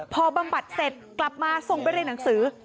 พอบำบัดเสร็จกลับมาส่งไปเรียนหนังสือ